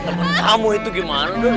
temen kamu itu gimana